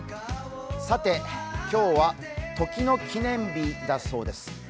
さて、今日は時の記念日だそうです